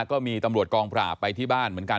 ก็มีตำรวจกองปราบไปที่บ้านเหมือนกัน